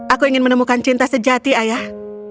aku ingin menemukan cinta sejati ayah